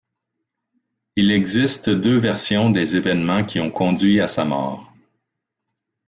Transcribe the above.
Il existe deux versions des événements qui ont conduit à sa mort.